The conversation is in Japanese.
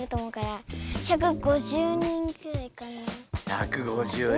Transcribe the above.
１５０人。